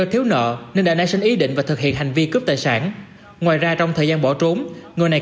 họ khai thực hiện hai vụ trộn xe máy